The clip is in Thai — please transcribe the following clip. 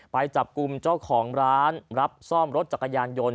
ไปจับกลุ่มเจ้าของร้านรับซ่อมรถจักรยานยนต์